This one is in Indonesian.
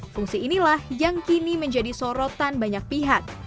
fungsi inilah yang kini menjadi sorotan banyak pihak